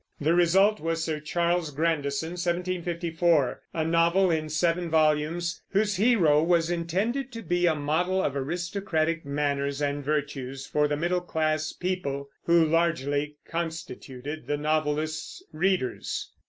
The result was Sir Charles Grandison (1754), a novel in seven volumes, whose hero was intended to be a model of aristocratic manners and virtues for the middle class people, who largely constituted the novelist's readers.